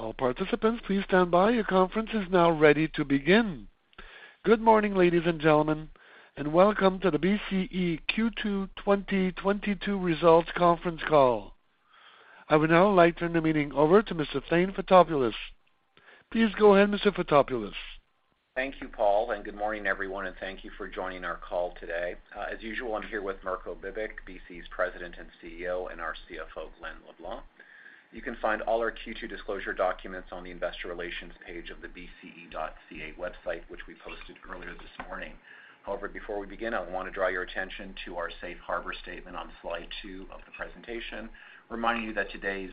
All participants, please stand by. Your conference is now ready to begin. Good morning, ladies and gentlemen, and welcome to the BCE Q2 2022 Results Conference Call. I would now like to turn the meeting over to Mr. Thane Fotopoulos. Please go ahead, Mr. Fotopoulos. Thank you, Paul, and good morning everyone, and thank you for joining our call today. As usual, I'm here with Mirko Bibic, BCE's President and CEO, and our CFO, Glen LeBlanc. You can find all our Q2 disclosure documents on the investor relations page of the bce.ca website, which we posted earlier this morning. However, before we begin, I wanna draw your attention to our safe harbor statement on slide two of the presentation, reminding you that today's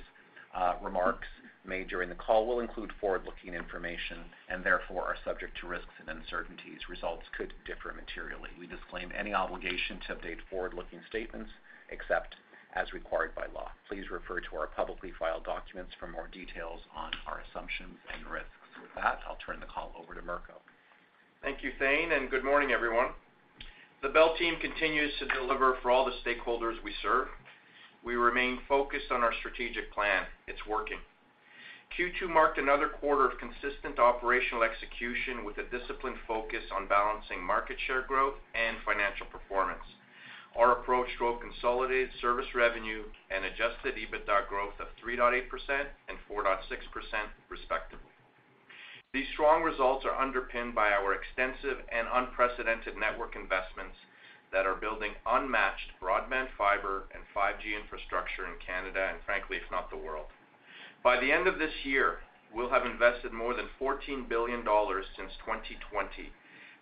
remarks made during the call will include forward-looking information and therefore are subject to risks and uncertainties. Results could differ materially. We disclaim any obligation to update forward-looking statements except as required by law. Please refer to our publicly filed documents for more details on our assumptions and risks. With that, I'll turn the call over to Mirko. Thank you, Thane, and good morning, everyone. The Bell team continues to deliver for all the stakeholders we serve. We remain focused on our strategic plan. It's working. Q2 marked another quarter of consistent operational execution with a disciplined focus on balancing market share growth and financial performance. Our approach drove consolidated service revenue and adjusted EBITDA growth of 3.8% and 4.6% respectively. These strong results are underpinned by our extensive and unprecedented network investments that are building unmatched broadband fiber and 5G infrastructure in Canada, and frankly, if not the world. By the end of this year, we'll have invested more than 14 billion dollars since 2020,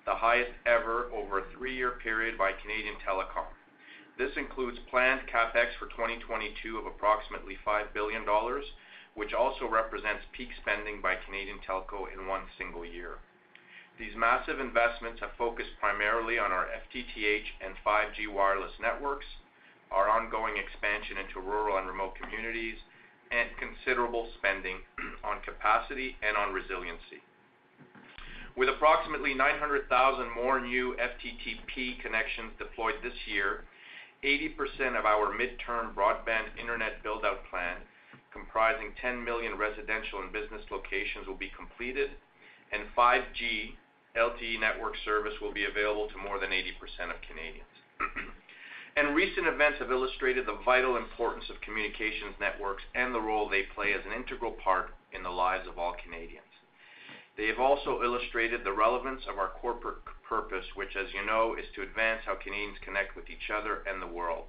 the highest ever over a three-year period by Canadian Telecom. This includes planned CapEx for 2022 of approximately 5 billion dollars, which also represents peak spending by Canadian Telco in one single year. These massive investments have focused primarily on our FTTH and 5G wireless networks, our ongoing expansion into rural and remote communities, and considerable spending on capacity and on resiliency. With approximately 900,000 more new FTTP connections deployed this year, 80% of our midterm broadband internet build-out plan, comprising 10 million residential and business locations, will be completed, and 5G LTE network service will be available to more than 80% of Canadians. Recent events have illustrated the vital importance of communications networks and the role they play as an integral part in the lives of all Canadians. They have also illustrated the relevance of our corporate purpose, which, as you know, is to advance how Canadians connect with each other and the world.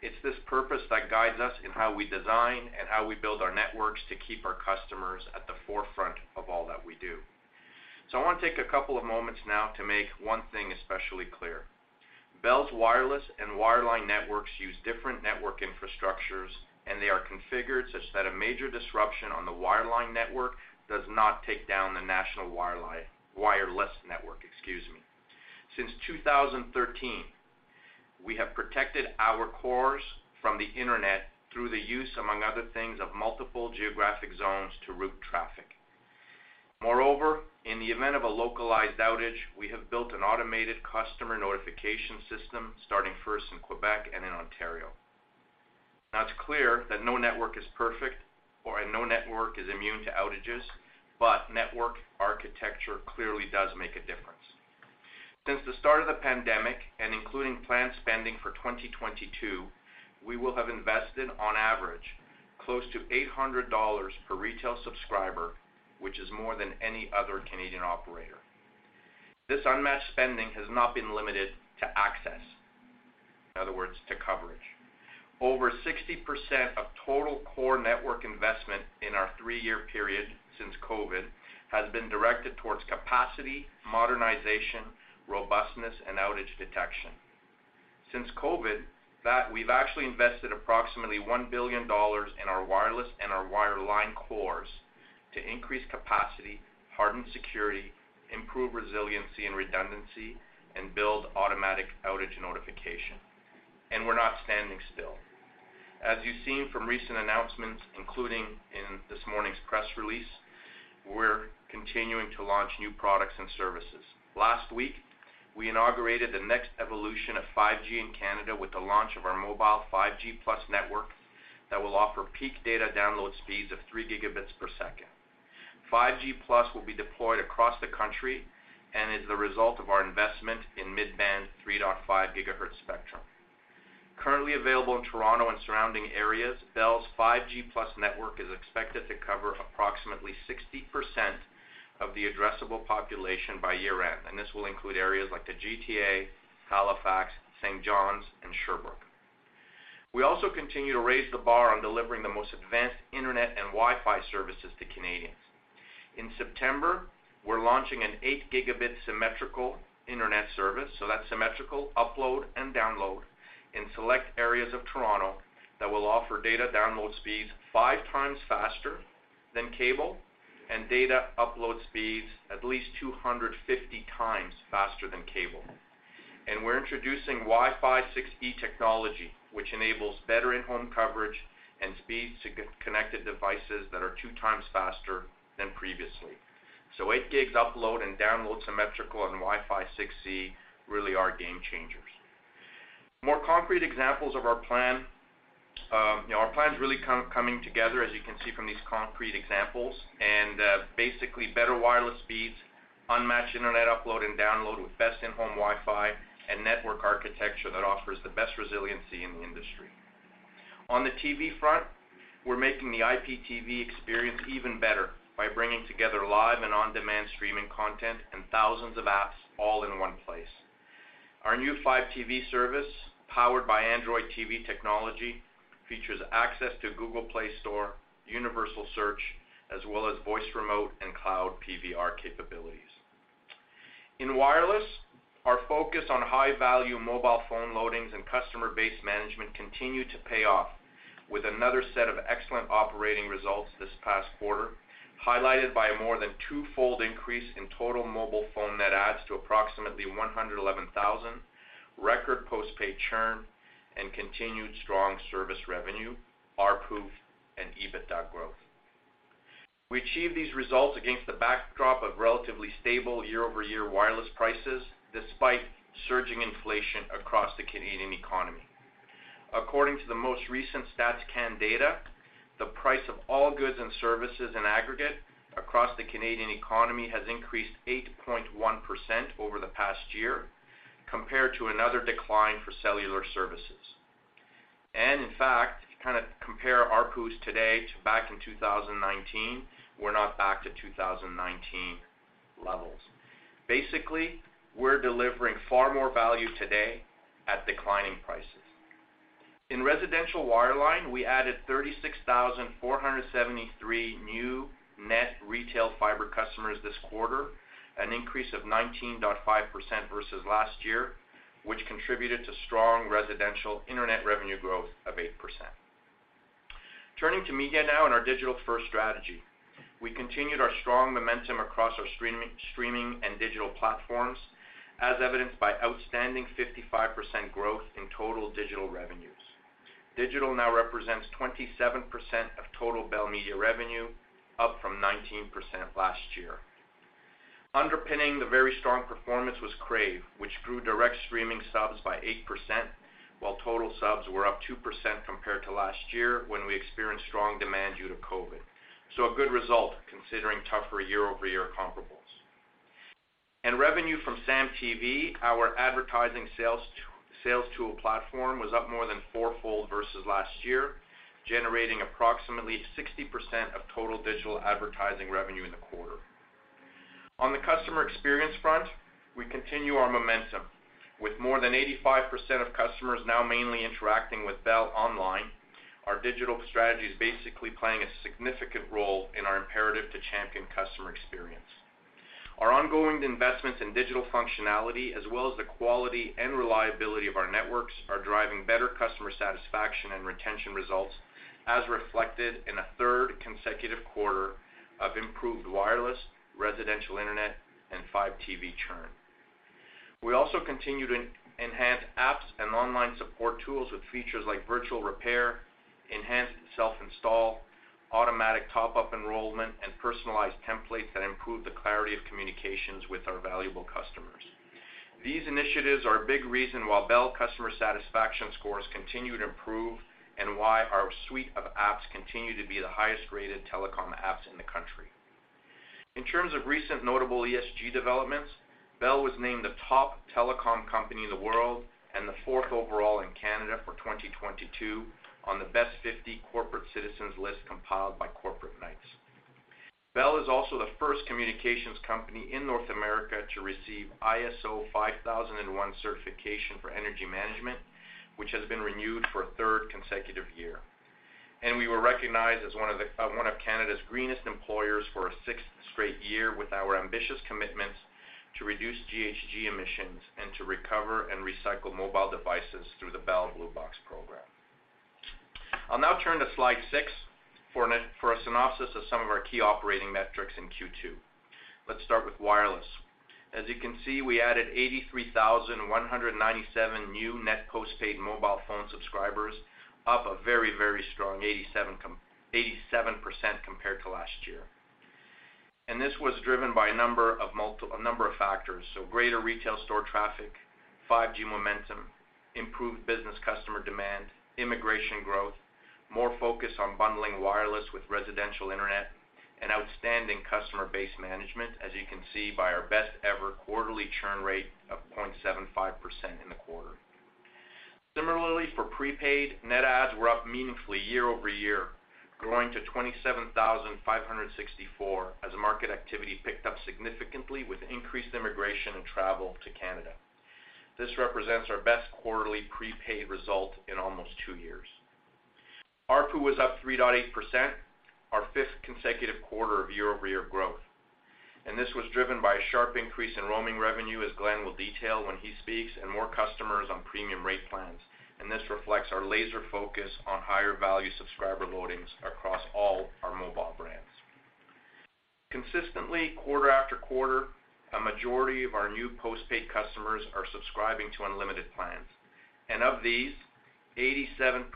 It's this purpose that guides us in how we design and how we build our networks to keep our customers at the forefront of all that we do. I want to take a couple of moments now to make one thing especially clear. Bell's wireless and wireline networks use different network infrastructures, and they are configured such that a major disruption on the wireline network does not take down the national wireless network, excuse me. Since 2013, we have protected our cores from the Internet through the use, among other things, of multiple geographic zones to route traffic. Moreover, in the event of a localized outage, we have built an automated customer notification system starting first in Quebec and in Ontario. Now, it's clear that no network is perfect and no network is immune to outages, but network architecture clearly does make a difference. Since the start of the pandemic and including planned spending for 2022, we will have invested, on average, close to 800 dollars per retail subscriber, which is more than any other Canadian operator. This unmatched spending has not been limited to access, in other words, to coverage. Over 60% of total core network investment in our three-year period since COVID has been directed towards capacity, modernization, robustness, and outage detection. Since COVID, that we've actually invested approximately 1 billion dollars in our wireless and our wireline cores to increase capacity, harden security, improve resiliency and redundancy, and build automatic outage notification. We're not standing still. As you've seen from recent announcements, including in this morning's press release, we're continuing to launch new products and services. Last week, we inaugurated the next evolution of 5G in Canada with the launch of our mobile 5G+ network that will offer peak data download speeds of 3 Gbps. 5G+ will be deployed across the country and is the result of our investment in mid-band 3.5 GHz spectrum. Currently available in Toronto and surrounding areas, Bell's 5G+ network is expected to cover approximately 60% of the addressable population by year-end, and this will include areas like the GTA, Halifax, St. John's, and Sherbrooke. We also continue to raise the bar on delivering the most advanced internet and Wi-Fi services to Canadians. In September, we're launching an 8 Gb symmetrical internet service, so that's symmetrical upload and download, in select areas of Toronto that will offer data download speeds 5 times faster than cable and data upload speeds at least 250 times faster than cable. We're introducing Wi-Fi 6E technology, which enables better in-home coverage and speeds to connected devices that are 2 times faster than previously. 8 Gb upload and download symmetrical on Wi-Fi 6E really are game changers. More concrete examples of our plan. Our plan is really coming together as you can see from these concrete examples, and basically better wireless speeds, unmatched internet upload and download with best in-home Wi-Fi, and network architecture that offers the best resiliency in the industry. On the TV front, we're making the IPTV experience even better by bringing together live and on-demand streaming content and thousands of apps all in one place. Our new Fibe TV service, powered by Android TV technology, features access to Google Play Store, universal search, as well as voice remote and cloud PVR capabilities. In wireless, our focus on high-value mobile phone loadings and customer base management continue to pay off with another set of excellent operating results this past quarter, highlighted by more than two-fold increase in total mobile phone net adds to approximately 111,000, record postpaid churn, and continued strong service revenue, ARPU and EBITDA growth. We achieve these results against the backdrop of relatively stable year-over-year wireless prices despite surging inflation across the Canadian economy. According to the most recent StatsCan data, the price of all goods and services in aggregate across the Canadian economy has increased 8.1% over the past year compared to another decline for cellular services. In fact, to compare ARPUs today to back in 2019, we're not back to 2019 levels. Basically, we're delivering far more value today at declining prices. In residential wireline, we added 36,473 new net retail fiber customers this quarter, an increase of 19.5% versus last year, which contributed to strong residential internet revenue growth of 8%. Turning to media now and our digital-first strategy. We continued our strong momentum across our streaming and digital platforms, as evidenced by outstanding 55% growth in total digital revenues. Digital now represents 27% of total Bell Media revenue, up from 19% last year. Underpinning the very strong performance was Crave, which grew direct streaming subs by 8%, while total subs were up 2% compared to last year when we experienced strong demand due to COVID. A good result considering tougher year-over-year comparables. In revenue from SAM TV, our advertising sales tool platform was up more than four-fold versus last year, generating approximately 60% of total digital advertising revenue in the quarter. On the customer experience front, we continue our momentum. With more than 85% of customers now mainly interacting with Bell online, our digital strategy is basically playing a significant role in our imperative to champion customer experience. Our ongoing investments in digital functionality, as well as the quality and reliability of our networks, are driving better customer satisfaction and retention results, as reflected in a third consecutive quarter of improved wireless, residential Internet, and Fibe TV churn. We also continue to enhance apps and online support tools with features like virtual repair, enhanced self-install, automatic top-up enrollment, and personalized templates that improve the clarity of communications with our valuable customers. These initiatives are a big reason why Bell customer satisfaction scores continue to improve and why our suite of apps continue to be the highest-graded telecom apps in the country. In terms of recent notable ESG developments, Bell was named the top telecom company in the world and the fourth overall in Canada for 2022 on the Best Fifty Corporate Citizens list compiled by Corporate Knights. Bell is also the first communications company in North America to receive ISO 50001 certification for energy management, which has been renewed for a third consecutive year. We were recognized as one of Canada's greenest employers for a sixth straight year with our ambitious commitments to reduce GHG emissions and to recover and recycle mobile devices through the Bell Blue Box program. I'll now turn to slide six for a synopsis of some of our key operating metrics in Q2. Let's start with wireless. As you can see, we added 83,197 new net postpaid mobile phone subscribers, up a very, very strong 87% compared to last year. This was driven by a number of factors, so greater retail store traffic, 5G momentum, improved business customer demand, immigration growth, more focus on bundling wireless with residential Internet, and outstanding customer base management, as you can see by our best-ever quarterly churn rate of 0.75% in the quarter. Similarly, for prepaid, net adds were up meaningfully year-over-year, growing to 27,564 as market activity picked up significantly with increased immigration and travel to Canada. This represents our best quarterly prepaid result in almost two years. ARPU was up 3.8%, our fifth consecutive quarter of year-over-year growth. This was driven by a sharp increase in roaming revenue, as Glen will detail when he speaks, and more customers on premium rate plans. This reflects our laser focus on higher value subscriber loadings across all our mobile brands. Consistently, quarter after quarter, a majority of our new postpaid customers are subscribing to unlimited plans. And of these, 87%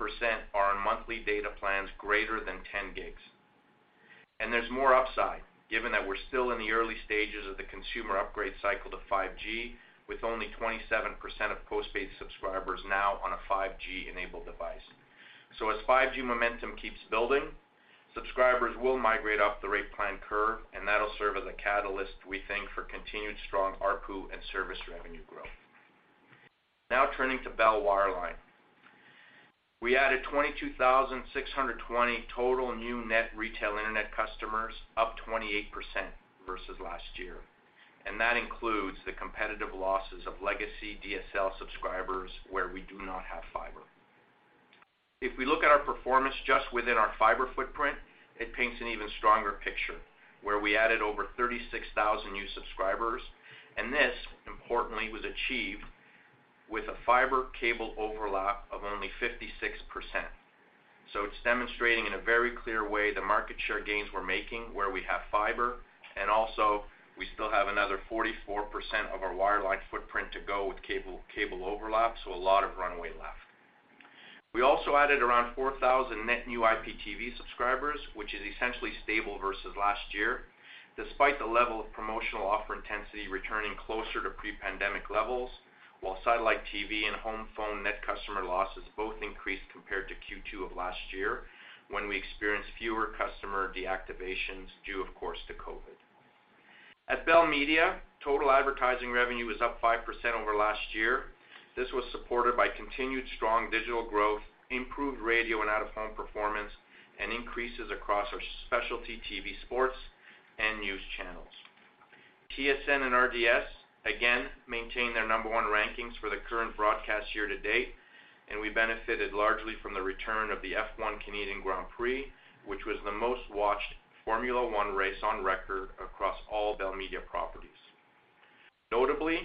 are on monthly data plans greater than 10 GB. There's more upside, given that we're still in the early stages of the consumer upgrade cycle to 5G, with only 27% of postpaid subscribers now on a 5G-enabled device. As 5G momentum keeps building, subscribers will migrate up the rate plan curve, and that'll serve as a catalyst, we think, for continued strong ARPU and service revenue growth. Now turning to Bell Wireline. We added 22,620 total new net retail internet customers, up 28% versus last year. That includes the competitive losses of legacy DSL subscribers where we do not have fiber. If we look at our performance just within our fiber footprint, it paints an even stronger picture where we added over 36,000 new subscribers, and this, importantly, was achieved with a fiber cable overlap of only 56%. It's demonstrating in a very clear way the market share gains we're making where we have fiber. We still have another 44% of our wireline footprint to go with cable overlap, so a lot of runway left. We also added around 4,000 net new IPTV subscribers, which is essentially stable versus last year, despite the level of promotional offer intensity returning closer to pre-pandemic levels, while satellite TV and home phone net customer losses both increased compared to Q2 of last year, when we experienced fewer customer deactivations due, of course, to COVID. At Bell Media, total advertising revenue was up 5% over last year. This was supported by continued strong digital growth, improved radio and out-of-home performance, and increases across our specialty TV sports and news channels. TSN and RDS again maintained their number one rankings for the current broadcast year to date, and we benefited largely from the return of the F1 Canadian Grand Prix, which was the most-watched Formula One race on record across all Bell Media properties. Notably,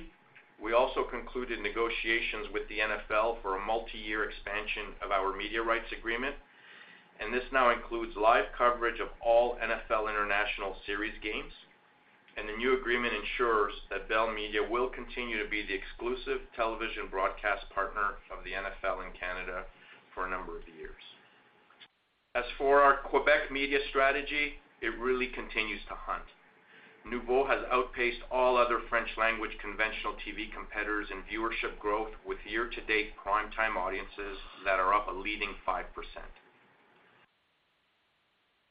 we also concluded negotiations with the NFL for a multiyear expansion of our media rights agreement, and this now includes live coverage of all NFL International series games. The new agreement ensures that Bell Media will continue to be the exclusive television broadcast partner of the NFL in Canada for a number of years. As for our Quebec media strategy, it really continues to hunt. Noovo has outpaced all other French language conventional TV competitors in viewership growth with year-to-date primetime audiences that are up a leading 5%.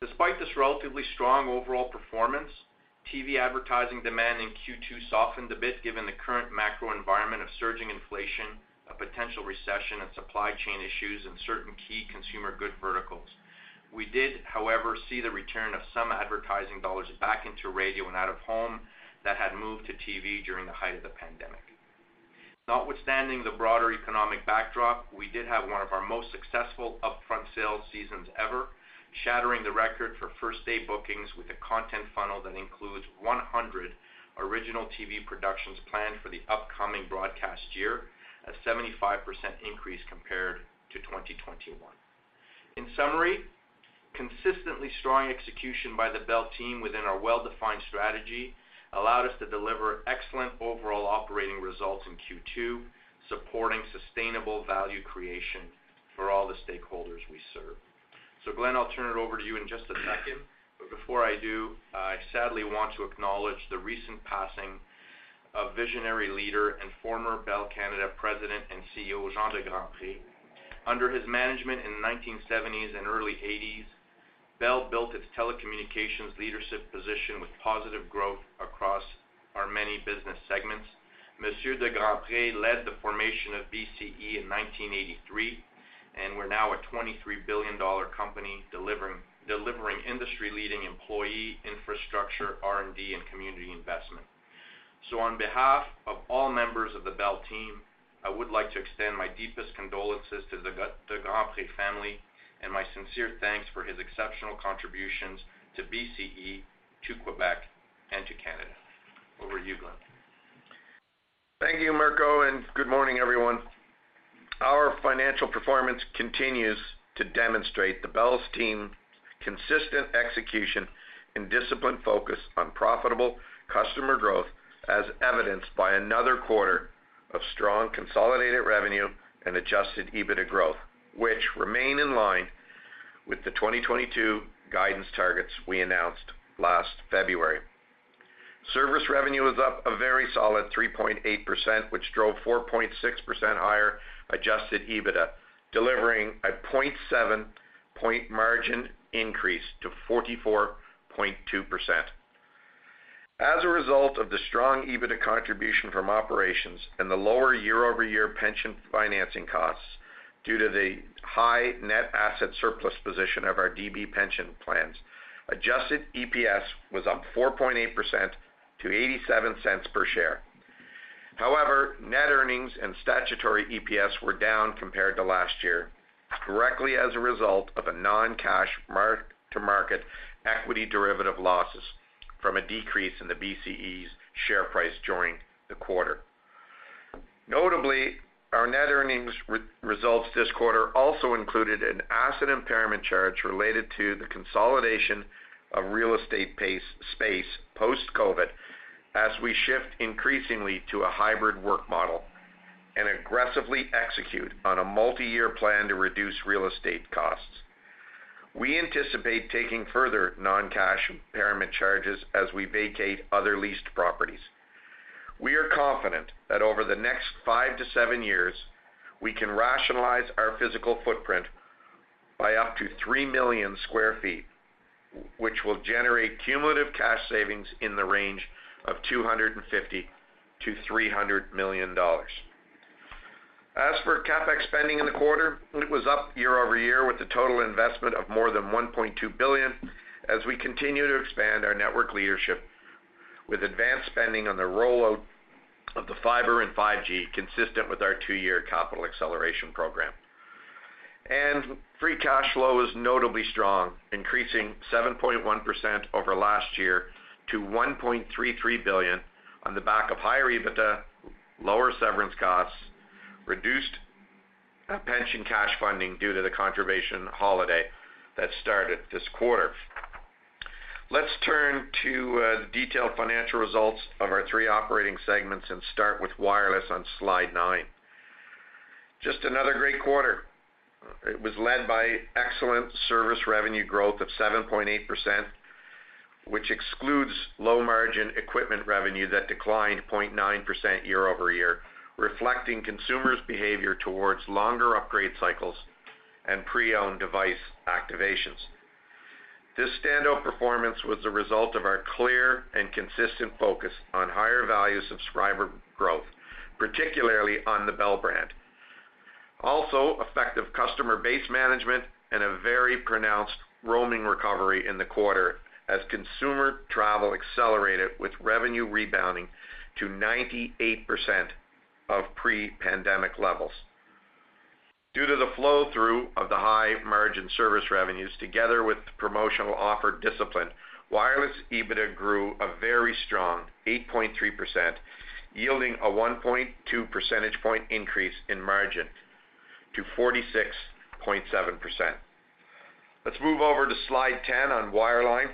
Despite this relatively strong overall performance, TV advertising demand in Q2 softened a bit given the current macro environment of surging inflation, a potential recession, and supply chain issues in certain key consumer good verticals. We did, however, see the return of some advertising dollars back into radio and out-of-home that had moved to TV during the height of the pandemic. Notwithstanding the broader economic backdrop, we did have one of our most successful upfront sales seasons ever, shattering the record for first-day bookings with a content funnel that includes 100 original TV productions planned for the upcoming broadcast year, a 75% increase compared to 2021. In summary, consistently strong execution by the Bell team within our well-defined strategy allowed us to deliver excellent overall operating results in Q2, supporting sustainable value creation for all the stakeholders we serve. Glen, I'll turn it over to you in just a second, but before I do, I sadly want to acknowledge the recent passing of visionary leader and former Bell Canada President and CEO, Jean de Grandpré. Under his management in the 1970s and early '80s, Bell built its telecommunications leadership position with positive growth across our many business segments. Monsieur de Grandpré led the formation of BCE in 1983, and we're now a 23 billion dollar company delivering industry-leading employee infrastructure, R&D, and community investment. On behalf of all members of the Bell team, I would like to extend my deepest condolences to the de Grandpré family and my sincere thanks for his exceptional contributions to BCE, to Québec, and to Canada. Over to you, Glen. Thank you, Mirko, and good morning, everyone. Our financial performance continues to demonstrate the Bell team's consistent execution and disciplined focus on profitable customer growth, as evidenced by another quarter of strong consolidated revenue and adjusted EBITDA growth, which remain in line with the 2022 guidance targets we announced last February. Service revenue was up a very solid 3.8%, which drove 4.6% higher adjusted EBITDA, delivering a 0.7-point margin increase to 44.2%. As a result of the strong EBITDA contribution from operations and the lower year-over-year pension financing costs due to the high net asset surplus position of our DB pension plans, adjusted EPS was up 4.8% to 0.87 per share. However, net earnings and statutory EPS were down compared to last year, directly as a result of a non-cash mark-to-market equity derivative losses from a decrease in BCE's share price during the quarter. Notably, our net earnings results this quarter also included an asset impairment charge related to the consolidation of real estate space post-COVID, as we shift increasingly to a hybrid work model. We aggressively execute on a multiyear plan to reduce real estate costs. We anticipate taking further non-cash impairment charges as we vacate other leased properties. We are confident that over the next 5-7 years, we can rationalize our physical footprint by up to 3 million sq ft, which will generate cumulative cash savings in the range of 250 million-300 million dollars. As for CapEx spending in the quarter, it was up year-over-year with a total investment of more than 1.2 billion as we continue to expand our network leadership with advanced spending on the rollout of the fiber and 5G consistent with our two-year capital acceleration program. Free cash flow is notably strong, increasing 7.1% over last year to 1.33 billion on the back of higher EBITDA, lower severance costs, reduced pension cash funding due to the contribution holiday that started this quarter. Let's turn to the detailed financial results of our three operating segments and start with wireless on slide nine. Just another great quarter. It was led by excellent service revenue growth of 7.8%, which excludes low margin equipment revenue that declined 0.9% year-over-year, reflecting consumers' behavior towards longer upgrade cycles and pre-owned device activations. This standout performance was the result of our clear and consistent focus on higher value subscriber growth, particularly on the Bell brand. Also, effective customer base management and a very pronounced roaming recovery in the quarter as consumer travel accelerated with revenue rebounding to 98% of pre-pandemic levels. Due to the flow-through of the high margin service revenues together with promotional offer discipline, wireless EBITDA grew a very strong 8.3%, yielding a 1.2 percentage point increase in margin to 46.7%. Let's move over to slide 10 on wireline.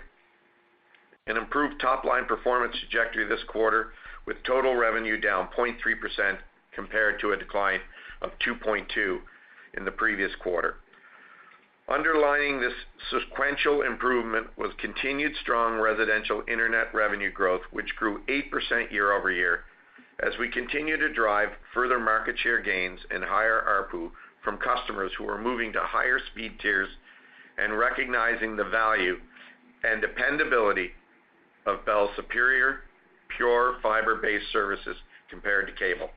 An improved top-line performance trajectory this quarter with total revenue down 0.3% compared to a decline of 2.2% in the previous quarter. Underlying this sequential improvement was continued strong residential internet revenue growth, which grew 8% year-over-year as we continue to drive further market share gains and higher ARPU from customers who are moving to higher speed tiers and recognizing the value and dependability of Bell's superior pure fiber-based services compared to cable.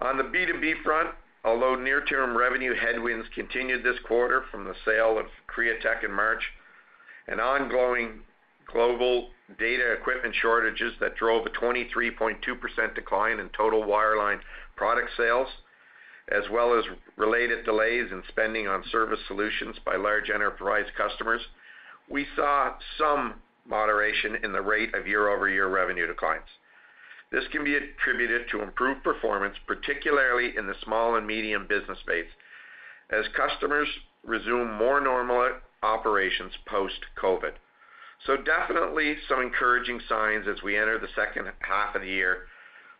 On the B2B front, although near-term revenue headwinds continued this quarter from the sale of Createch in March and ongoing global data equipment shortages that drove a 23.2% decline in total wireline product sales, as well as related delays in spending on service solutions by large enterprise customers, we saw some moderation in the rate of year-over-year revenue declines. This can be attributed to improved performance, particularly in the small and medium business space, as customers resume more normal operations post-COVID. Definitely some encouraging signs as we enter the second half of the year,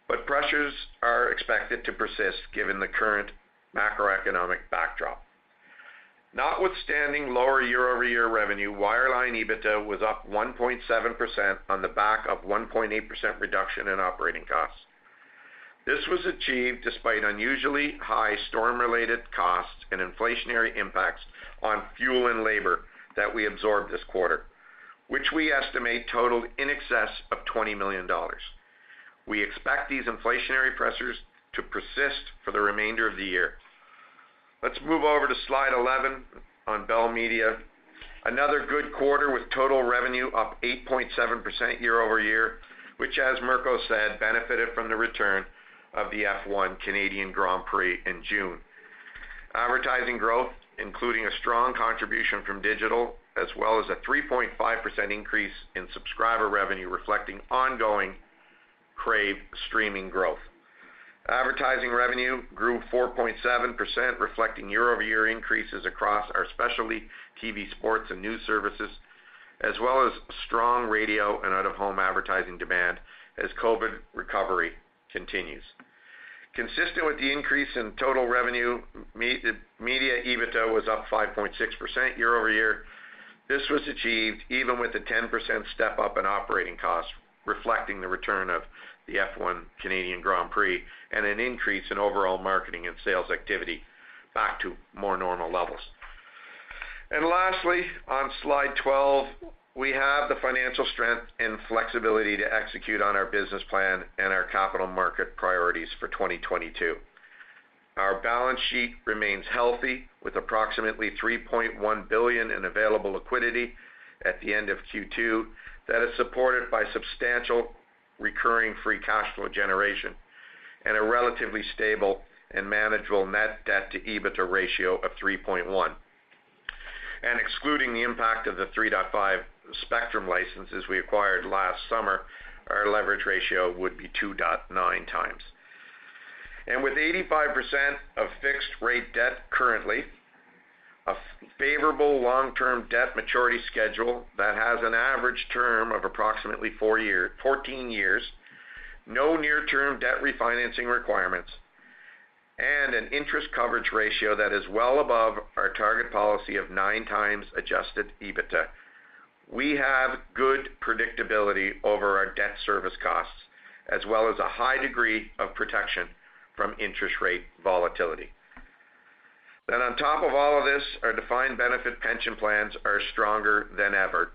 but pressures are expected to persist given the current macroeconomic backdrop. Notwithstanding lower year-over-year revenue, wireline EBITDA was up 1.7% on the back of 1.8% reduction in operating costs. This was achieved despite unusually high storm-related costs and inflationary impacts on fuel and labor that we absorbed this quarter, which we estimate totaled in excess of 20 million dollars. We expect these inflationary pressures to persist for the remainder of the year. Let's move over to slide 11 on Bell Media. Another good quarter with total revenue up 8.7% year-over-year, which as Mirko said, benefited from the return of the F1 Canadian Grand Prix in June. Advertising growth, including a strong contribution from digital, as well as a 3.5% increase in subscriber revenue reflecting ongoing Crave streaming growth. Advertising revenue grew 4.7%, reflecting year-over-year increases across our specialty TV sports and news services, as well as strong radio and out-of-home advertising demand as COVID recovery continues. Consistent with the increase in total revenue, media EBITDA was up 5.6% year-over-year. This was achieved even with a 10% step up in operating costs reflecting the return of the F1 Canadian Grand Prix and an increase in overall marketing and sales activity back to more normal levels. Lastly, on slide 12, we have the financial strength and flexibility to execute on our business plan and our capital market priorities for 2022. Our balance sheet remains healthy with approximately 3.1 billion in available liquidity at the end of Q2 that is supported by substantial recurring free cash flow generation and a relatively stable and manageable net debt to EBITDA ratio of 3.1. Excluding the impact of the 3.5 GHz spectrum licenses we acquired last summer, our leverage ratio would be 2.9 times. With 85% of fixed rate debt currently a favorable long-term debt maturity schedule that has an average term of approximately 14 years, no near-term debt refinancing requirements, and an interest coverage ratio that is well above our target policy of 9 times adjusted EBITDA. We have good predictability over our debt service costs as well as a high degree of protection from interest rate volatility. On top of all of this, our defined benefit pension plans are stronger than ever,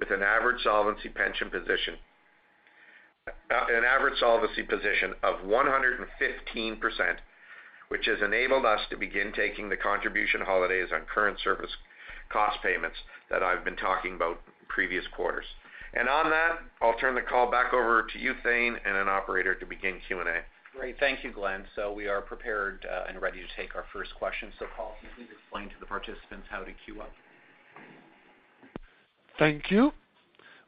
with an average solvency position of 115%, which has enabled us to begin taking the contribution holidays on current service cost payments that I've been talking about previous quarters. On that, I'll turn the call back over to you, Thane, and an operator to begin Q&A. Great. Thank you, Glen. We are prepared and ready to take our first question. Paul, can you please explain to the participants how to queue up? Thank you.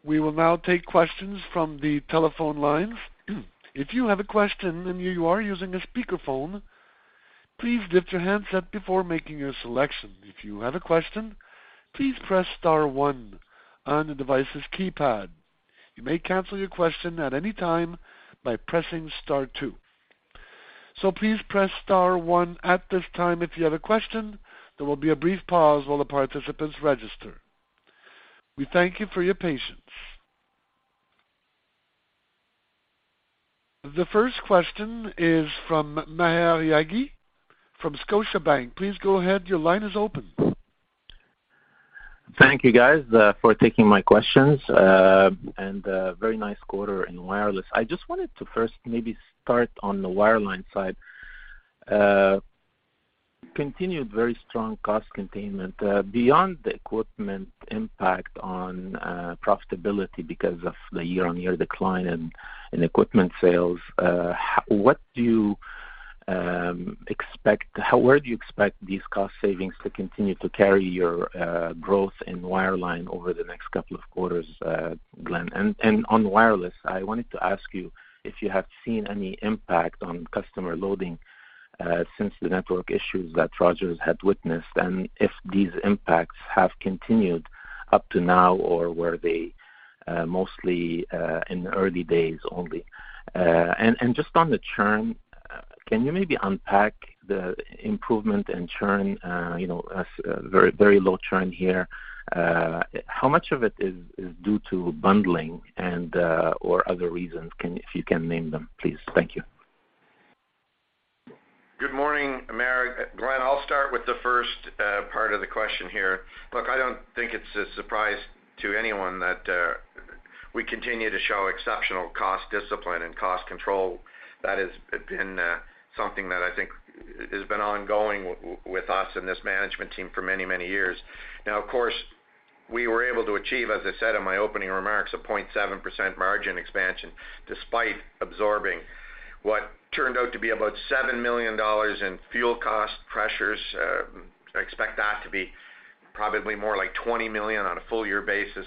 We will now take questions from the telephone lines. If you have a question and you are using a speakerphone, please mute your handset before making your selection. If you have a question, please press star one on the device's keypad. You may cancel your question at any time by pressing star two. Please press star one at this time if you have a question. There will be a brief pause while the participants register. We thank you for your patience. The first question is from Maher Yaghi from Scotiabank. Please go ahead. Your line is open. Thank you guys for taking my questions, and very nice quarter in wireless. I just wanted to first maybe start on the wireline side. Continued very strong cost containment, beyond the equipment impact on profitability because of the year-on-year decline in equipment sales. Where do you expect these cost savings to continue to carry your growth in wireline over the next couple of quarters, Glen? On wireless, I wanted to ask you if you have seen any impact on customer loading since the network issues that Rogers had witnessed, and if these impacts have continued up to now, or were they mostly in the early days only? Just on the churn, can you maybe unpack the improvement in churn, you know, as very, very low churn here. How much of it is due to bundling and/or other reasons? If you can name them, please. Thank you. Good morning, Maher. Glen. I'll start with the first part of the question here. Look, I don't think it's a surprise to anyone that we continue to show exceptional cost discipline and cost control. That has been something that I think has been ongoing with us and this management team for many, many years. Now, of course, we were able to achieve, as I said in my opening remarks, a 0.7% margin expansion despite absorbing what turned out to be about 7 million dollars in fuel cost pressures. I expect that to be probably more like 20 million on a full year basis.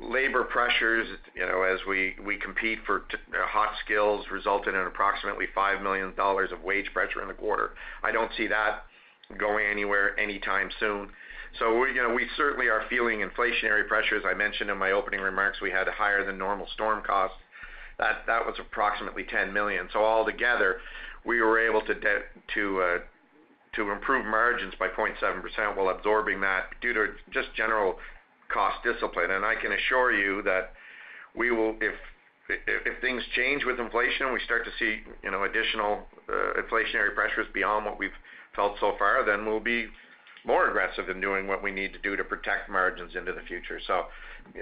Labor pressures, you know, as we compete for the hot skills resulted in approximately 5 million dollars of wage pressure in the quarter. I don't see that going anywhere anytime soon. We, you know, certainly are feeling inflationary pressures. I mentioned in my opening remarks, we had higher than normal storm costs. That was approximately 10 million. All together, we were able to to improve margins by 0.7% while absorbing that due to just general cost discipline. I can assure you that we will if things change with inflation, we start to see, you know, additional inflationary pressures beyond what we've felt so far, then we'll be more aggressive in doing what we need to do to protect margins into the future.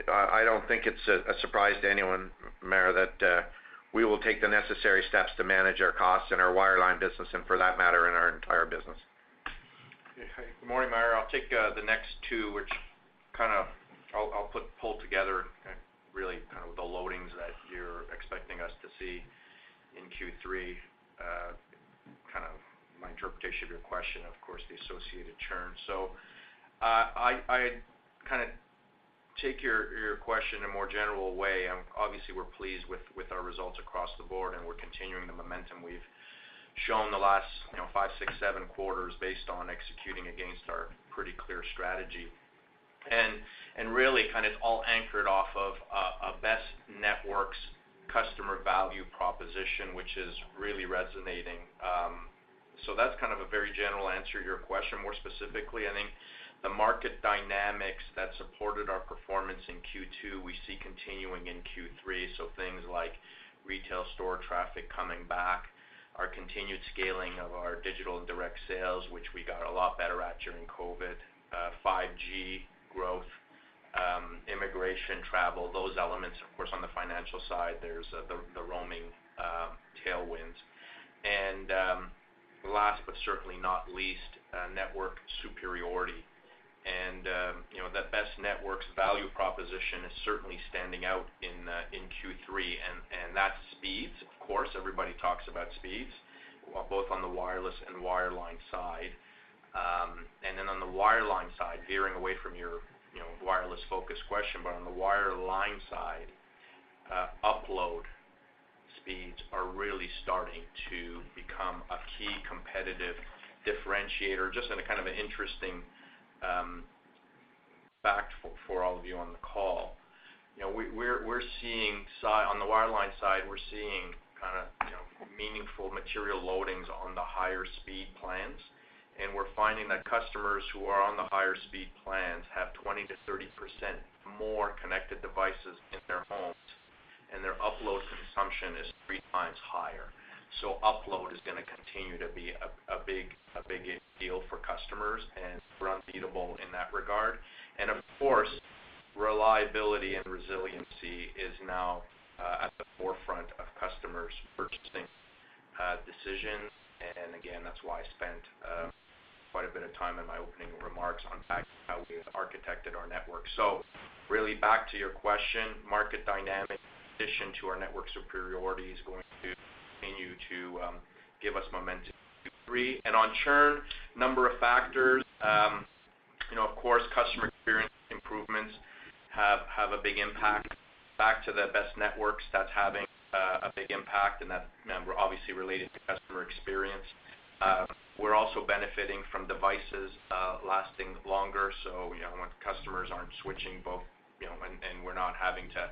I don't think it's a surprise to anyone, Maher, that we will take the necessary steps to manage our costs in our wireline business and for that matter, in our entire business. Good morning, Maher. I'll take the next two, which kind of I'll pull together really kind of the loadings that you're expecting us to see in Q3, kind of my interpretation of your question, of course, the associated churn. I kind of take your question in a more general way. Obviously, we're pleased with our results across the board, and we're continuing the momentum we've shown the last, you know, 5, 6, 7 Quarters based on executing against our pretty clear strategy. Really kind of all anchored off of a best networks customer value proposition, which is really resonating. That's kind of a very general answer to your question. More specifically, I think the market dynamics that supported our performance in Q2, we see continuing in Q3. Things like retail store traffic coming back, our continued scaling of our digital and direct sales, which we got a lot better at during COVID, 5G growth, immigration, travel, those elements. Of course, on the financial side, there's the roaming tailwinds. Last but certainly not least, network superiority. You know, that best networks value proposition is certainly standing out in Q3, and that's speeds, of course. Everybody talks about speeds, both on the wireless and wireline side. On the wireline side, veering away from your, you know, wireless-focused question, but on the wireline side, upload speeds are really starting to become a key competitive differentiator. Just in a kind of an interesting fact for all of you on the call. You know, we're seeing on the wireline side kind of, you know, meaningful material loadings on the higher speed plans. We're finding that customers who are on the higher speed plans have 20%-30% more connected devices in their homes, and their upload consumption is three times higher. Upload is gonna continue to be a big deal for customers, and we're unbeatable in that regard. Of course, reliability and resiliency is now at the forefront of customers' purchasing decisions. Again, that's why I spent quite a bit of time in my opening remarks on how we've architected our network. Really back to your question, market dynamics in addition to our network superiority is going to continue to give us momentum Q3. On churn, number of factors. You know, of course, customer experience improvements have a big impact. Back to the best networks, that's having a big impact, and that, you know, obviously related to customer experience. We're also benefiting from devices lasting longer. So you know, when customers aren't switching both, you know, and we're not having to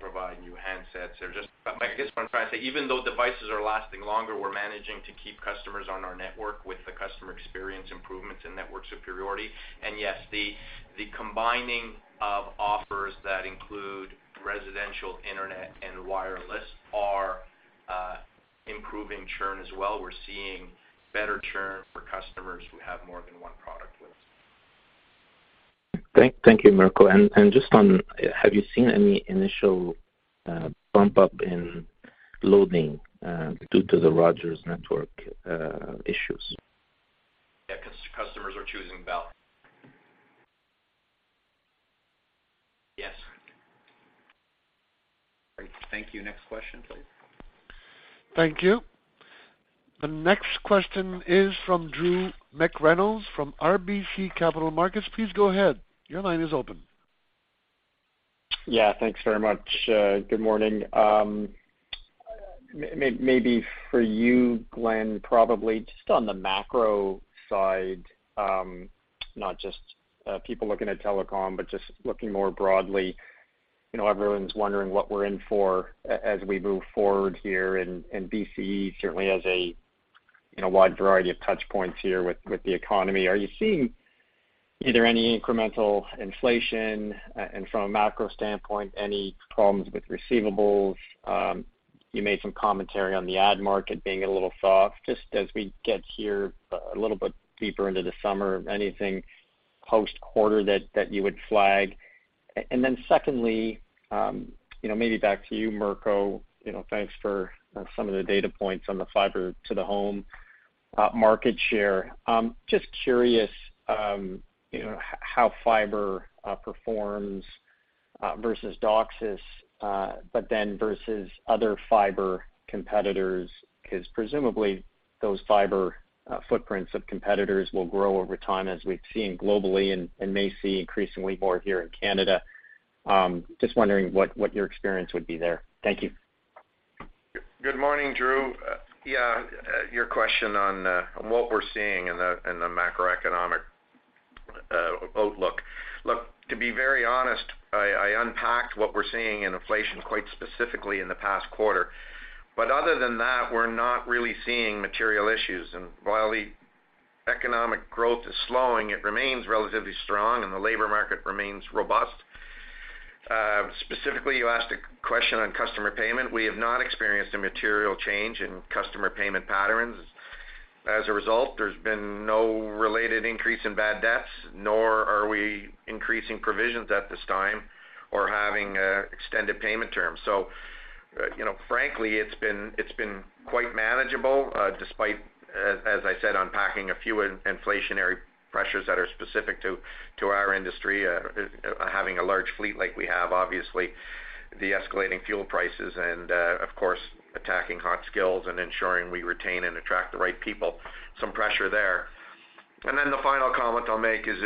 provide new handsets. They're just I guess what I'm trying to say, even though devices are lasting longer, we're managing to keep customers on our network with the customer experience improvements and network superiority. Yes, the combining of offers that include residential internet and wireless are improving churn as well. We're seeing better churn for customers who have more than one product with us. Thank you, Mirko. Just on, have you seen any initial bump up in loading due to the Rogers network issues? Yeah. Customers are choosing Bell. Yes. Great. Thank you. Next question, please. Thank you. The next question is from Drew McReynolds from RBC Capital Markets. Please go ahead. Your line is open. Yeah, thanks very much. Good morning. Maybe for you, Glen, probably just on the macro side, not just people looking at telecom, but just looking more broadly, you know, everyone's wondering what we're in for as we move forward here, and BCE certainly has a, you know, wide variety of touch points here with the economy. Are you seeing either any incremental inflation, and from a macro standpoint, any problems with receivables? You made some commentary on the ad market being a little soft. Just as we get here a little bit deeper into the summer, anything post-quarter that you would flag? Then secondly, you know, maybe back to you, Mirko, you know, thanks for some of the data points on the fiber to the home market share. Just curious, you know, how fiber performs versus DOCSIS, but then versus other fiber competitors, 'cause presumably those fiber footprints of competitors will grow over time as we've seen globally and may see increasingly more here in Canada. Just wondering what your experience would be there. Thank you. Good morning, Drew. Yeah, your question on what we're seeing in the macroeconomic outlook. Look, to be very honest, I unpacked what we're seeing in inflation quite specifically in the past quarter. Other than that, we're not really seeing material issues. While the economic growth is slowing, it remains relatively strong and the labor market remains robust. Specifically, you asked a question on customer payment. We have not experienced a material change in customer payment patterns. As a result, there's been no related increase in bad debts, nor are we increasing provisions at this time or having extended payment terms. You know, frankly, it's been quite manageable despite, as I said, unpacking a few inflationary pressures that are specific to our industry. Having a large fleet like we have, obviously, the escalating fuel prices and, of course, tackling hot skills and ensuring we retain and attract the right people, some pressure there. The final comment I'll make is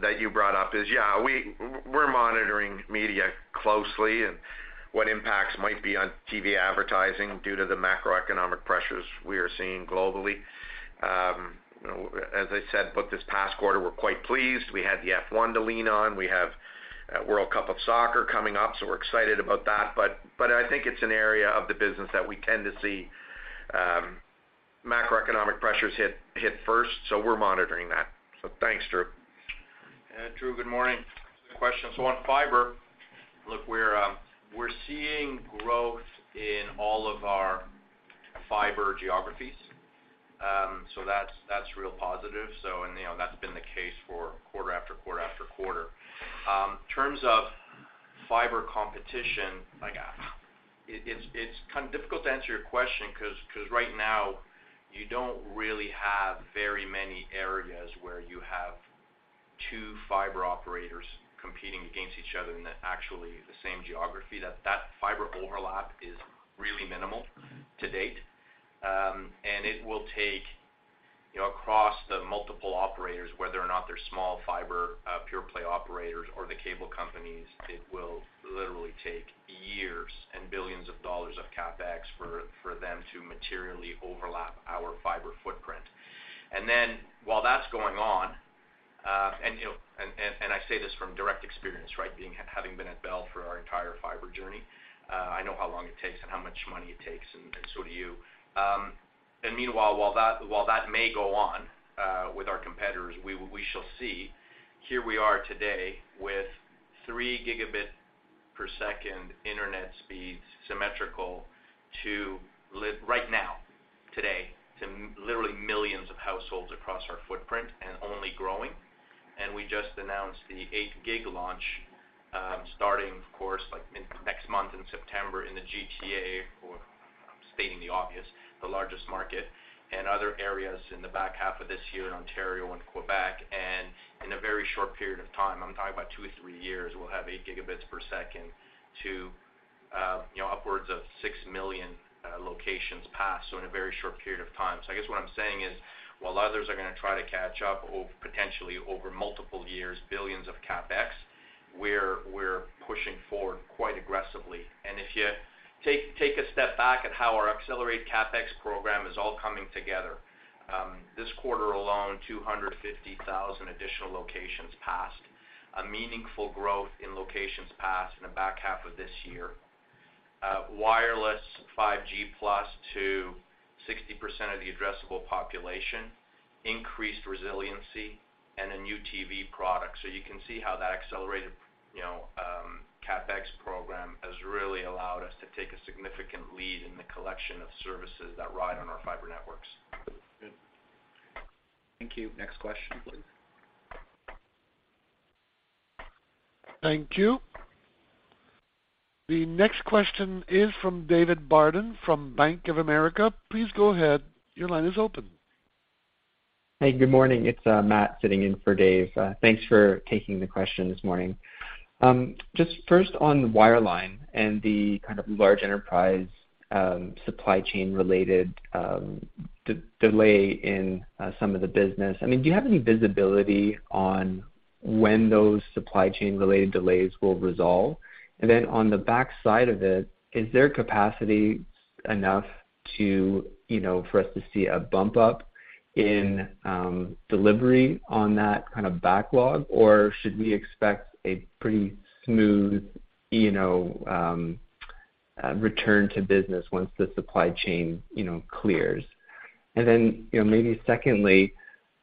that you brought up, yeah, we're monitoring media closely and what impacts might be on TV advertising due to the macroeconomic pressures we are seeing globally. As I said, look, this past quarter, we're quite pleased. We had the F1 to lean on. We have World Cup of Soccer coming up, so we're excited about that. I think it's an area of the business that we tend to see macroeconomic pressures hit first, so we're monitoring that. Thanks, Drew. Yeah. Drew, good morning. Questions on fiber. Look, we're seeing growth in all of our fiber geographies, so that's real positive. You know, that's been the case for quarter after quarter after quarter. In terms of fiber competition, like, it's kind of difficult to answer your question 'cause right now you don't really have very many areas where you have two fiber operators competing against each other in the actual the same geography. That fiber overlap is really minimal to date. And it will take. You know, across the multiple operators, whether or not they're small fiber pure play operators or the cable companies, it will literally take years and billions of CAD for them to materially overlap our fiber footprint. Then while that's going on, and I say this from direct experience, right? Having been at Bell for our entire fiber journey, I know how long it takes and how much money it takes, and so do you. Meanwhile, while that may go on, with our competitors, we shall see. Here we are today with 3 Gbps internet speeds symmetrical right now, today, to literally millions of households across our footprint and only growing. We just announced the 8 Gb launch, starting of course, like in next month in September in the GTA, or I'm stating the obvious, the largest market, and other areas in the back half of this year in Ontario and Quebec. In a very short period of time, I'm talking about 2-3 years, we'll have 8 Gbps to upwards of 6 million locations passed, so in a very short period of time. I guess what I'm saying is, while others are gonna try to catch up potentially over multiple years, billions of CapEx, we're pushing forward quite aggressively. If you take a step back at how our accelerate CapEx program is all coming together, this quarter alone, 250,000 additional locations passed, a meaningful growth in locations passed in the back half of this year. Wireless 5G+ to 60% of the addressable population, increased resiliency, and a new TV product. You can see how that accelerated, you know, CapEx program has really allowed us to take a significant lead in the collection of services that ride on our fiber networks. Good. Thank you. Next question, please. Thank you. The next question is from David Barden from Bank of America. Please go ahead. Your line is open. Hey, good morning. It's Matt sitting in for Dave. Thanks for taking the question this morning. Just first on wireline and the kind of large enterprise supply chain related delay in some of the business. I mean, do you have any visibility on when those supply chain related delays will resolve? Then on the backside of it, is there capacity enough to, you know, for us to see a bump up in delivery on that kind of backlog? Or should we expect a pretty smooth, you know, return to business once the supply chain, you know, clears? Then, you know, maybe secondly,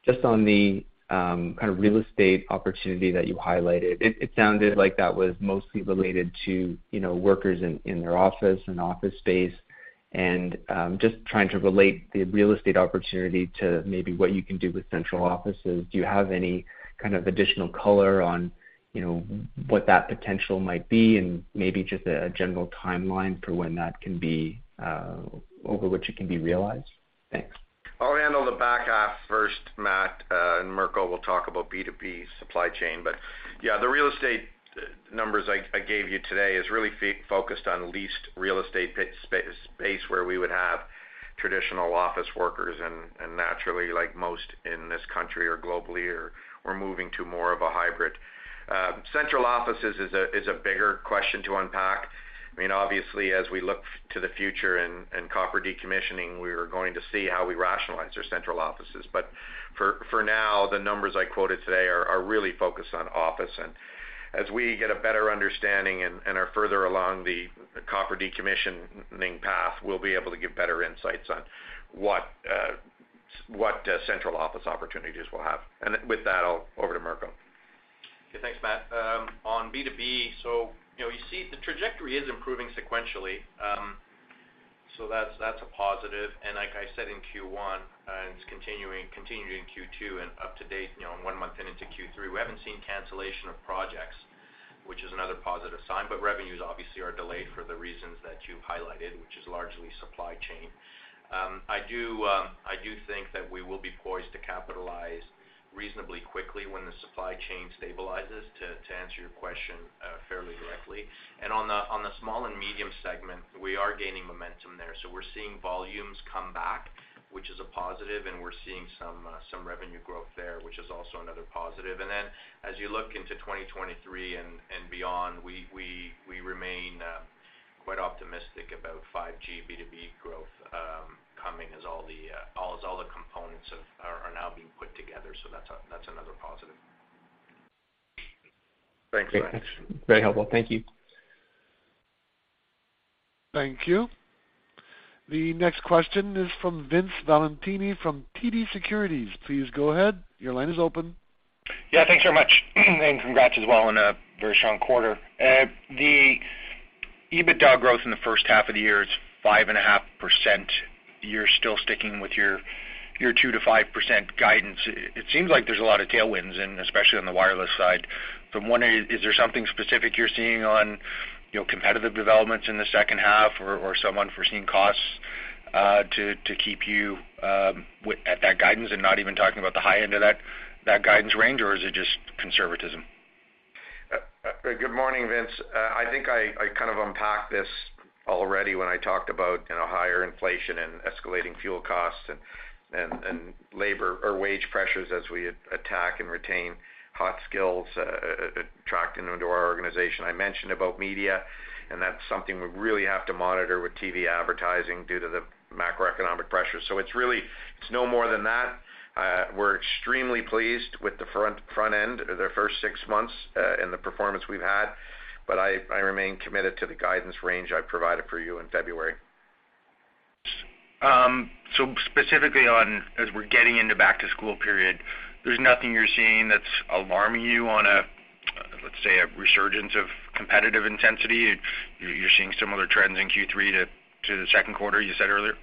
just on the kind of real estate opportunity that you highlighted. It sounded like that was mostly related to, you know, workers in their office and office space. Just trying to relate the real estate opportunity to maybe what you can do with central offices. Do you have any kind of additional color on, you know, what that potential might be and maybe just a general timeline for when that can be over which it can be realized? Thanks. I'll handle the back half first, Matt, and Mirko will talk about B2B supply chain. Yeah, the real estate numbers I gave you today is really focused on leased real estate space where we would have traditional office workers and naturally like most in this country or globally are moving to more of a hybrid. Central offices is a bigger question to unpack. I mean, obviously as we look to the future and copper decommissioning, we're going to see how we rationalize our central offices. For now, the numbers I quoted today are really focused on office. As we get a better understanding and are further along the copper decommissioning path, we'll be able to give better insights on what central office opportunities we'll have. With that, I'll over to Mirko. Okay, thanks, Matt. On B2B, you know, you see the trajectory is improving sequentially. That's a positive. Like I said in Q1, and it's continuing Q2 and up to date, you know, in one month into Q3, we haven't seen cancellation of projects, which is another positive sign. Revenues obviously are delayed for the reasons that you've highlighted, which is largely supply chain. I do think that we will be poised to capitalize reasonably quickly when the supply chain stabilizes, to answer your question fairly directly. On the small and medium segment, we are gaining momentum there. We're seeing volumes come back, which is a positive, and we're seeing some revenue growth there, which is also another positive. Then as you look into 2023 and beyond, we remain quite optimistic about 5G B2B growth coming as all the components are now being put together. That's another positive. Thanks, Matt. Great. Very helpful. Thank you. Thank you. The next question is from Vince Valentini from TD Securities. Please go ahead. Your line is open. Yeah, thanks very much. Congrats as well on a very strong quarter. The EBITDA growth in the first half of the year is 5.5%. You're still sticking with your 2%-5% guidance. It seems like there's a lot of tailwinds, and especially on the wireless side. For one, is there something specific you're seeing on, you know, competitive developments in the second half or some unforeseen costs to keep you at that guidance and not even talking about the high end of that guidance range? Or is it just conservatism? Good morning, Vince. I think I kind of unpacked this already when I talked about, you know, higher inflation and escalating fuel costs and labor or wage pressures as we attract and retain hot skills, attracting them to our organization. I mentioned about media, and that's something we really have to monitor with TV advertising due to the macroeconomic pressure. It's no more than that. We're extremely pleased with the front end, the first six months, and the performance we've had. I remain committed to the guidance range I provided for you in February. Specifically on as we're getting into back-to-school period, there's nothing you're seeing that's alarming you on a, let's say, a resurgence of competitive intensity. You're seeing similar trends in Q3 to the second quarter you said earlier?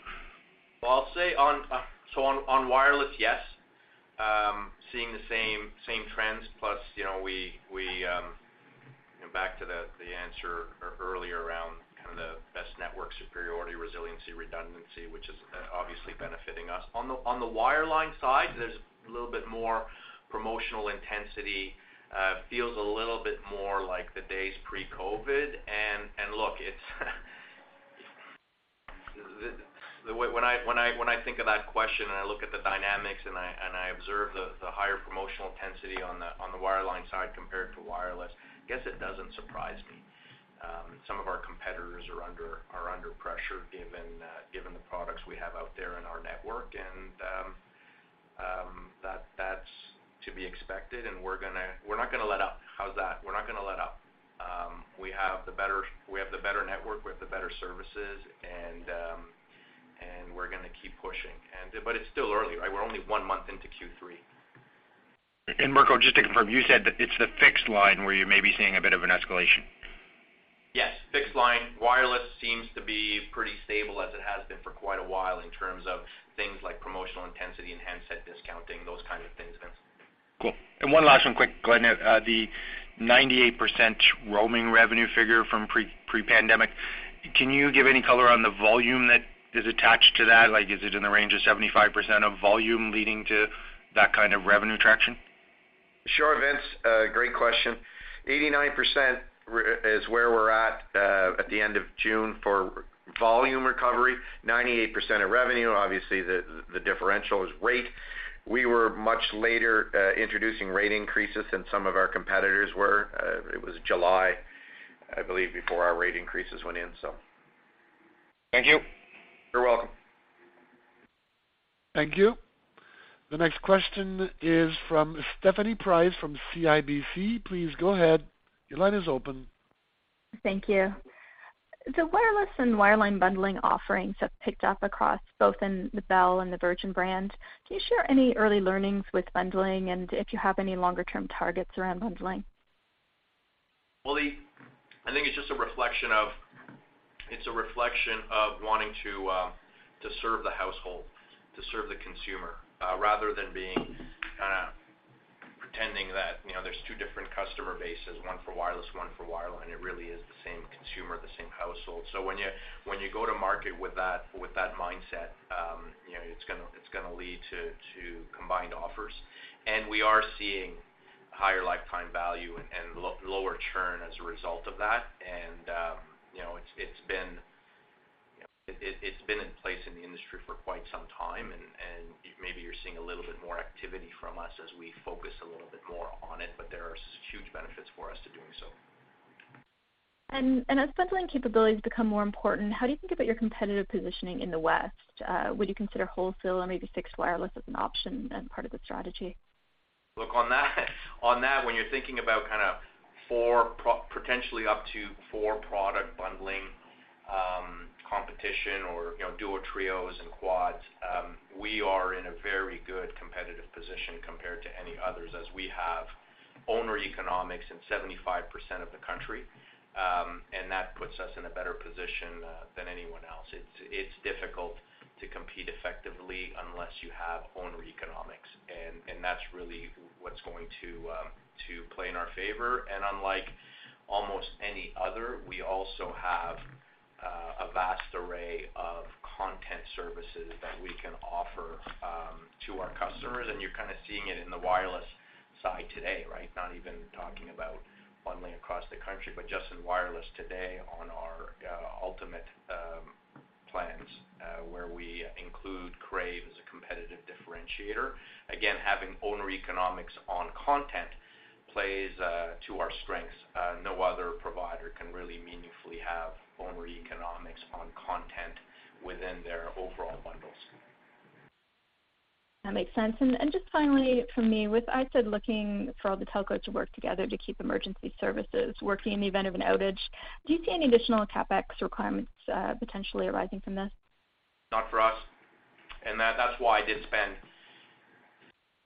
Well, I'll say on wireless, yes. Seeing the same trends. Plus, you know, and back to the answer earlier around kind of the best network superiority, resiliency, redundancy, which is obviously benefiting us. On the wireline side, there's a little bit more promotional intensity, feels a little bit more like the days pre-COVID. Look, it's when I think of that question and I look at the dynamics and I observe the higher promotional intensity on the wireline side compared to wireless, I guess it doesn't surprise me. Some of our competitors are under pressure given the products we have out there in our network. That's to be expected, and we're not gonna let up. How's that? We're not gonna let up. We have the better network, we have the better services, and we're gonna keep pushing. It's still early, right? We're only one month into Q3. Mirko, just to confirm, you said that it's the fixed line where you may be seeing a bit of an escalation? Yes. Fixed line. Wireless seems to be pretty stable as it has been for quite a while in terms of things like promotional intensity and handset discounting, those kind of things, Vince. Cool. One last one quick, Glen. The 98% roaming revenue figure from pre-pandemic, can you give any color on the volume that is attached to that? Like, is it in the range of 75% of volume leading to that kind of revenue traction? Sure, Vince. A great question. 89% is where we're at the end of June for volume recovery, 98% of revenue. Obviously, the differential is rate. We were much later introducing rate increases than some of our competitors were. It was July, I believe, before our rate increases went in, so. Thank you. You're welcome. Thank you. The next question is from Stephanie Price from CIBC. Please go ahead. Your line is open. Thank you. The wireless and wireline bundling offerings have picked up across both in the Bell and the Virgin brand. Can you share any early learnings with bundling and if you have any longer-term targets around bundling? Well, I think it's just a reflection of wanting to serve the household, to serve the consumer, rather than kinda pretending that, you know, there's two different customer bases, one for wireless, one for wireline. It really is the same consumer, the same household. When you go to market with that mindset, you know, it's gonna lead to combined offers. We are seeing higher lifetime value and lower churn as a result of that. You know, it's been in place in the industry for quite some time. Maybe you're seeing a little bit more activity from us as we focus a little bit more on it, but there are huge benefits for us to doing so. As bundling capabilities become more important, how do you think about your competitive positioning in the West? Would you consider wholesale and maybe fixed wireless as an option and part of the strategy? Look, on that, when you're thinking about potentially up to four product bundling competition or, you know, duos, trios and quads, we are in a very good competitive position compared to any others as we have owner economics in 75% of the country. That puts us in a better position than anyone else. It's difficult to compete effectively unless you have owner economics. That's really what's going to play in our favor. Unlike almost any other, we also have a vast array of content services that we can offer to our customers. You're kinda seeing it in the wireless side today, right? Not even talking about bundling across the country, but just in wireless today on our ultimate plans where we include Crave as a competitive differentiator. Again, having owner economics on content plays to our strengths. No other provider can really meaningfully have owner economics on content within their overall bundles. That makes sense. Just finally from me, with ISED looking for all the telcos to work together to keep emergency services working in the event of an outage, do you see any additional CapEx requirements, potentially arising from this? Not for us. That's why I did spend,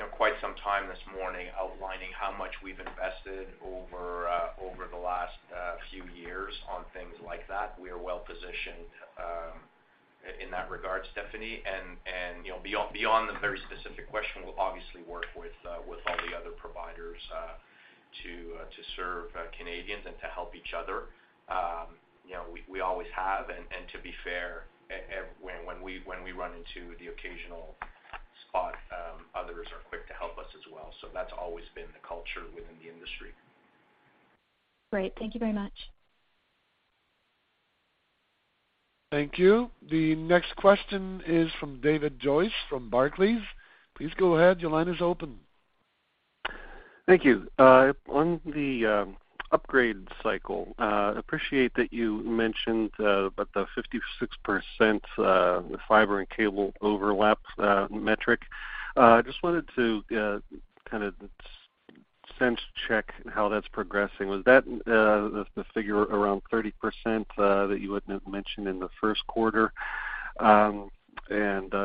you know, quite some time this morning outlining how much we've invested over the last few years on things like that. We are well-positioned in that regard, Stephanie. You know, beyond the very specific question, we'll obviously work with all the other providers to serve Canadians and to help each other. You know, we always have. To be fair, even when we run into the occasional spot, others are quick to help us as well. That's always been the culture within the industry. Great. Thank you very much. Thank you. The next question is from David Joyce from Barclays. Please go ahead. Your line is open. Thank you. On the upgrade cycle, appreciate that you mentioned about the 56% fiber and cable overlap metric. I just wanted to kind of sense check how that's progressing. Was that the figure around 30% that you had mentioned in the first quarter?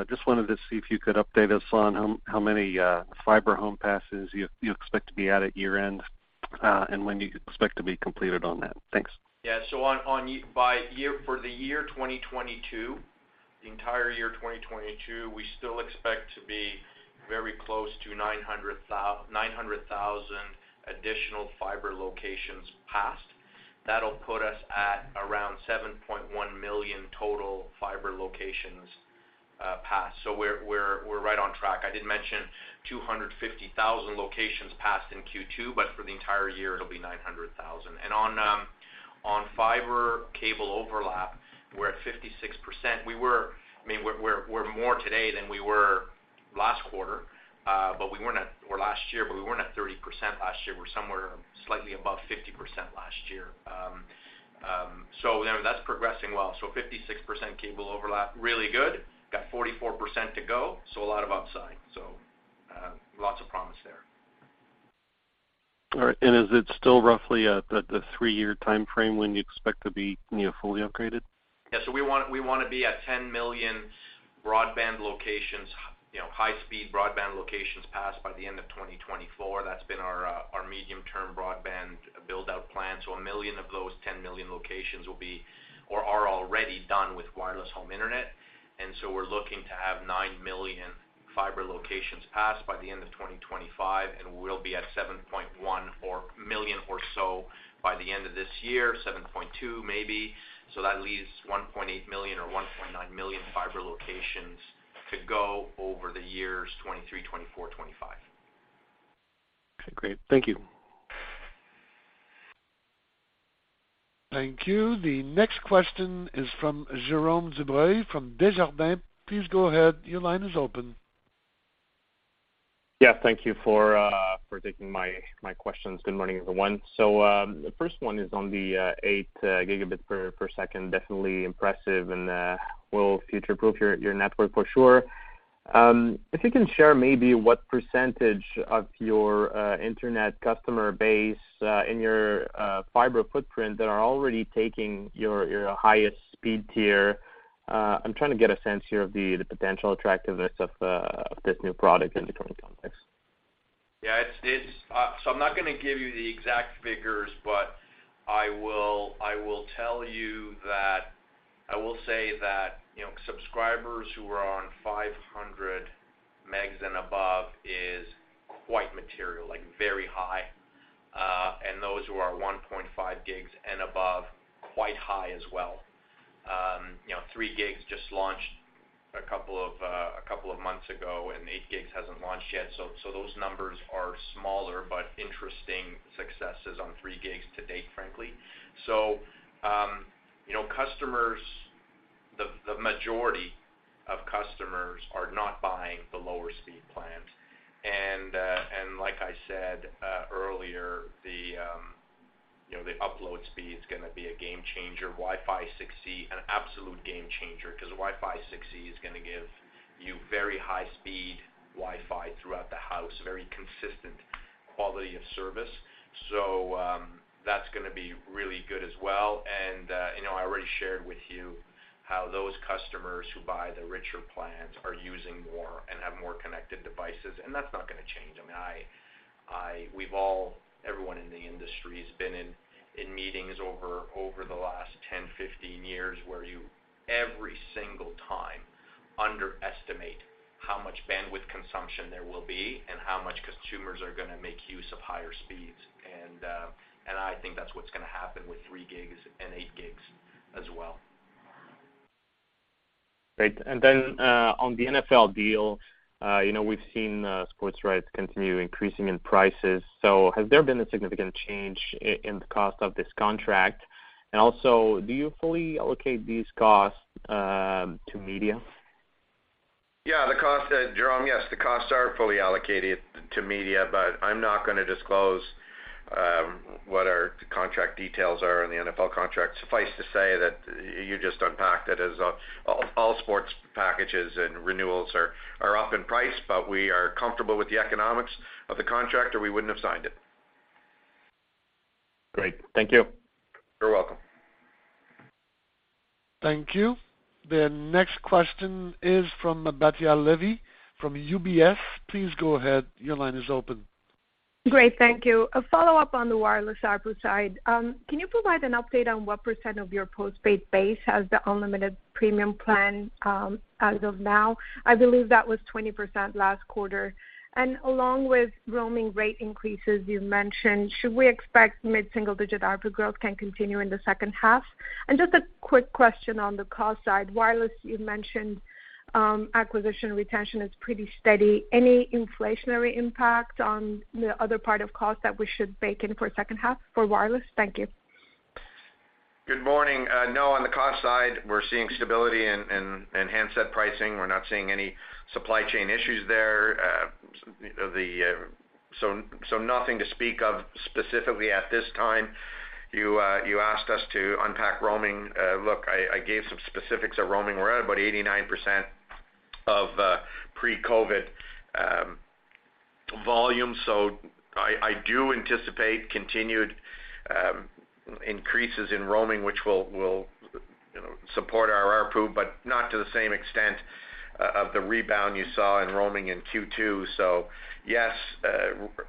Just wanted to see if you could update us on how many fiber home passes you expect to be at year-end, and when you expect to be completed on that. Thanks. For the year 2022, the entire year 2022, we still expect to be very close to 900,000 additional fiber locations passed. That'll put us at around 7.1 million total fiber locations passed. We're right on track. I did mention 250,000 locations passed in Q2, but for the entire year it'll be 900,000. On fiber cable overlap, we're at 56%. I mean, we're more today than we were last quarter, but we weren't at 30% last year. We're somewhere slightly above 50% last year. That's progressing well. 56% cable overlap, really good. Got 44% to go, so a lot of upside. Lots of promise there. All right. Is it still roughly at the three-year timeframe when you expect to be, you know, fully upgraded? Yeah. We wanna be at 10 million broadband locations, you know, high-speed broadband locations passed by the end of 2024. That's been our medium-term broadband build-out plan. 1 million of those 10 million locations will be or are already done with wireless home internet. We're looking to have 9 million fiber locations passed by the end of 2025, and we'll be at 7.1 million or so by the end of this year, 7.2 million maybe. That leaves 1.8 million or 1.9 million fiber locations to go over the years 2023, 2024, 2025. Okay, great. Thank you. Thank you. The next question is from Jérôme Dubreuil from Desjardins. Please go ahead. Your line is open. Yeah, thank you for taking my questions. Good morning, everyone. The first one is on the 8 Gbps, definitely impressive and will future-proof your network for sure. If you can share maybe what percentage of your internet customer base in your fiber footprint that are already taking your highest speed tier? I'm trying to get a sense here of the potential attractiveness of this new product in the current context. I'm not gonna give you the exact figures, but I will tell you that, I will say that, you know, subscribers who are on 500 Mb and above is quite material, like very high. Those who are 1.5 Gb and above, quite high as well. You know, 3 Gb just launched a couple of months ago, and 8 Gb hasn't launched yet. Those numbers are smaller but interesting successes on 3 Gb to date, frankly. You know, customers, the majority of customers are not buying the lower speed plans. Like I said earlier, the upload speed is gonna be a game changer. Wi-Fi 6E, an absolute game changer 'cause Wi-Fi 6E is gonna give you very high speed Wi-Fi throughout the house, very consistent quality of service. That's gonna be really good as well. You know, I already shared with you how those customers who buy the richer plans are using more and have more connected devices, and that's not gonna change. I mean, we've all, everyone in the industry has been in meetings over the last 10, 15 years, where you, every single time, underestimate how much bandwidth consumption there will be and how much consumers are gonna make use of higher speeds. I think that's what's gonna happen with 3 Gb and 8 Gb as well. Great. On the NFL deal, you know, we've seen sports rights continue increasing in prices. Has there been a significant change in the cost of this contract? Also, do you fully allocate these costs to media? Yeah, the cost, Jérôme, yes, the costs are fully allocated to media, but I'm not gonna disclose what our contract details are in the NFL contract. Suffice to say that you just unpacked it. As all sports packages and renewals are up in price, but we are comfortable with the economics of the contract or we wouldn't have signed it. Great. Thank you. You're welcome. Thank you. The next question is from Batya Levi from UBS. Please go ahead. Your line is open. Great. Thank you. A follow-up on the wireless ARPU side. Can you provide an update on what percent of your postpaid base has the unlimited premium plan, as of now? I believe that was 20% last quarter. Along with roaming rate increases you mentioned, should we expect mid-single-digit ARPU growth can continue in the second half? Just a quick question on the cost side. Wireless, you mentioned, acquisition retention is pretty steady. Any inflationary impact on the other part of cost that we should bake in for second half for wireless? Thank you. Good morning. No, on the cost side, we're seeing stability in handset pricing. We're not seeing any supply chain issues there. Nothing to speak of specifically at this time. You asked us to unpack roaming. Look, I gave some specifics of roaming. We're at about 89% of pre-COVID volume. I do anticipate continued increases in roaming, which will support our ARPU, but not to the same extent of the rebound you saw in roaming in Q2. Yes,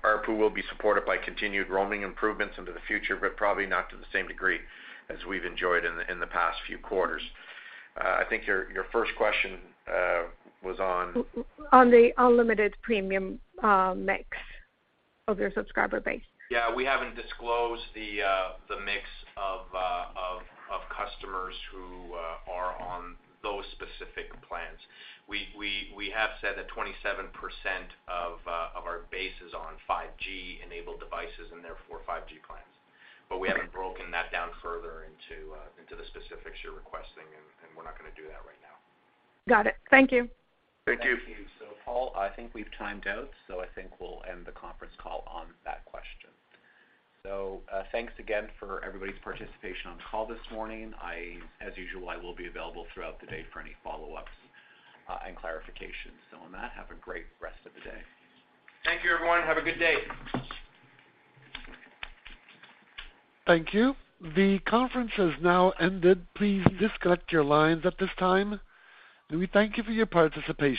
ARPU will be supported by continued roaming improvements into the future, but probably not to the same degree as we've enjoyed in the past few quarters. I think your first question was on- On the unlimited premium mix of your subscriber base. Yeah, we haven't disclosed the mix of customers who are on those specific plans. We have said that 27% of our base is on 5G-enabled devices and therefore 5G plans. We haven't broken that down further into the specifics you're requesting, and we're not gonna do that right now. Got it. Thank you. Thank you. Thank you. Paul, I think we've timed out, so I think we'll end the conference call on that question. Thanks again for everybody's participation on the call this morning. As usual, I will be available throughout the day for any follow-ups and clarifications. On that, have a great rest of the day. Thank you, everyone. Have a good day. Thank you. The conference has now ended. Please disconnect your lines at this time, and we thank you for your participation.